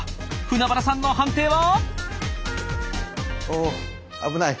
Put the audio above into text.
舩原さんの判定は？